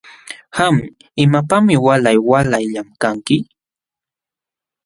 Qam ¿imapaqmi waalay waalay llamkanki?